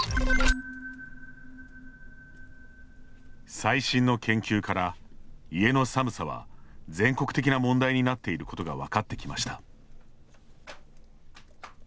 最新の研究から、家の寒さは全国的な問題になっていることが分かってきました。